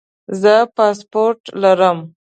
زه پاسپورټ لرم